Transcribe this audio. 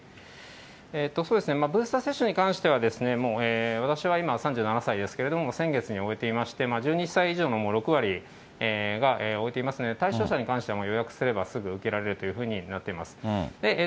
ブースター接種に関しては、私は今、３７歳ですけれども、先月に終えていまして、１２歳以上のもう６割が終えていますので、対象者に関しては予約すれば、すぐ受けられるというふうになっています。